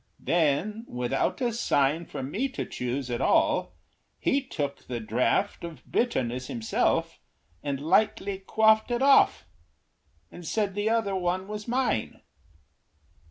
Then, without a sign For me to choose at all, he took the draught Of bitterness himself, and lightly quaffed It off, and said the other one was mine.